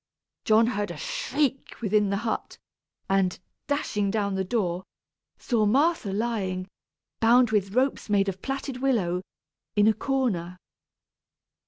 John heard a shriek within the hut, and, dashing down the door, saw Martha, lying, bound with ropes made of plaited willow, in a corner.